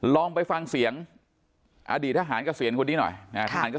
ลองฟังในวันนั้นหน่อยนะครับผู้ชมครับ